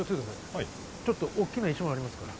はいちょっと大きな石もありますから